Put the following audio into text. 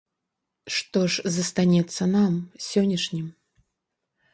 Што ж застанецца нам, сённяшнім?